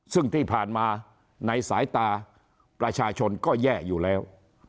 ซึ่งที่ผ่านมาในสายตาประชาชนก็แย่อยู่แล้ว